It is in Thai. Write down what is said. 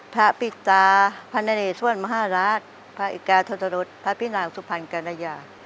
พระภิกษาพรรณเนสวรรค์มหาราชพระอิกาธรรถพระพินางสุพรรณกรยา